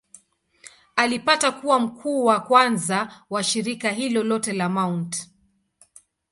Alipata kuwa mkuu wa kwanza wa shirika hilo lote la Mt.